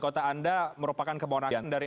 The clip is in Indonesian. kota anda merupakan kebonakan dari